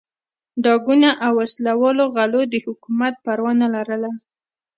ډاکوانو او وسله والو غلو د حکومت پروا نه لرله.